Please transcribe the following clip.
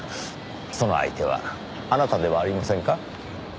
その相手はあなたではありませんか？